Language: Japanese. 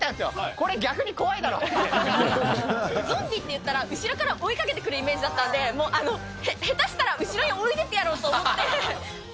これ、ゾンビっていったら、後ろから追いかけてくるイメージだったんで、もう、下手したら後ろに置いてってやろうと思って。